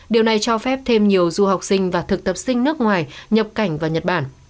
điều này cho phép thêm nhiều du học sinh và thực tập sinh nước ngoài nhập cảnh vào nhật bản